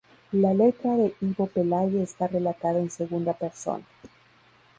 La letra de Ivo Pelay está relatada en segunda persona.